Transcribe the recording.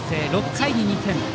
６回に２点。